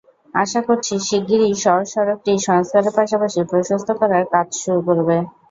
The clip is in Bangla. আশা করছি, শিগগিরই সওজ সড়কটি সংস্কারের পাশাপাশি প্রশস্ত করার কাজ শুরু করবে।